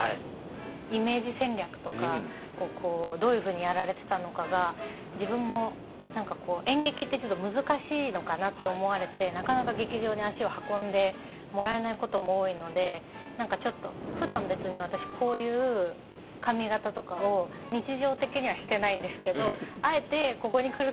イメージ戦略とかどういうふうにやられてたのかが自分も演劇って難しいのかなって思われてなかなか劇場に足を運んでもらえないことも多いのでふだん別に私こういう髪形とかを日常的にはしてないんですけどあえてここに来る時に。